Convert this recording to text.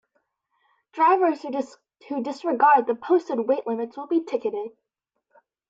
Drivers who disregard the posted weight limits will be ticketed.